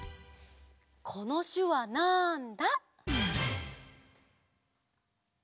このしゅわなんだ？